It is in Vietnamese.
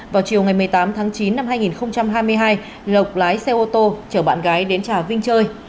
vào chiều ngày một mươi tám tháng chín năm hai nghìn hai mươi hai lộc lái xe ô tô chở bạn gái đến trà vinh chơi